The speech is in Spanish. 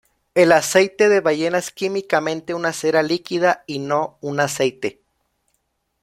El aceite de ballena es químicamente una cera líquida y no un aceite.